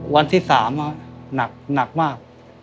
วันที่สามน่ะหนักหนักมาก